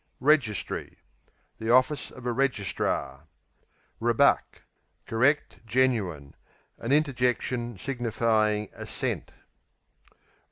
Registry The office of a Registrar. Ribuck Correct, genuine; an interjection signifying assent.